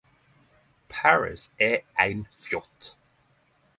Paris er ein fjott!